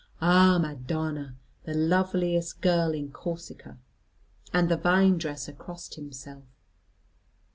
Ah, Madonna! The loveliest girl in Corsica. And the vine dresser crossed himself.